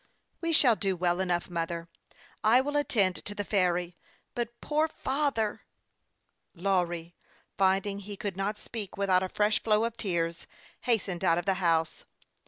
" We shall do well enough, mother. I will attend to the ferry ; but poor father " Lawry, finding he could not speak without a fresh flow of tears, hastened out of the house.